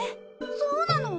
そうなの？